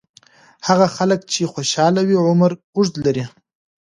هغه خلک چې خوشاله وي، عمر اوږد لري.